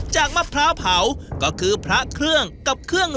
ใช่ของแม่คอ